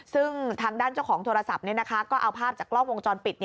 ซึ่งทางด้านเจ้าของโทรศัพท์ก็เอาภาพจากกล้องวงจรปิด